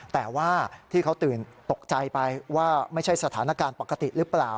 แต่ว่าที่เขาตื่นตกใจไปว่าไม่ใช่สถานการณ์ปกติหรือเปล่า